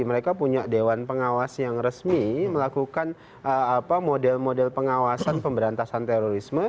mereka punya dewan pengawas yang resmi melakukan model model pengawasan pemberantasan terorisme